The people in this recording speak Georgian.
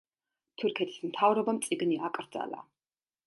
თურქეთის მთავრობამ წიგნი აკრძალა.